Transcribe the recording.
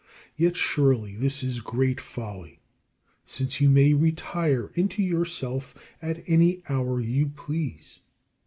Yet surely this is great folly, since you may retire into yourself at any hour you please.